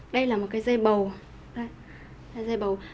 đây là một cái dây bầu đây là dây bầu